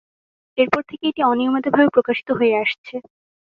এরপর থেকে এটি অনিয়মিতভাবে প্রকাশিত হয়ে আসছে।